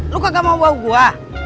lu kagak mau bau gua